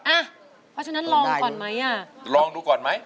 อ่ะเพราะฉะนั้นลองก่อนไหมอ่ะลองดูก่อนไหม